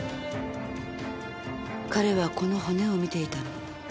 彼はこの骨を見ていたの。